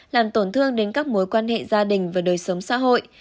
làm tổn thương đến các mối quan hệ gia đình và đời sống xã hội